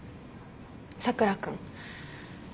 佐倉君。